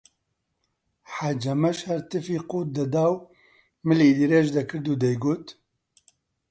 حەجەمەش هەر تفی قووت دەدا و ملی درێژ دەکرد و دەیگوت: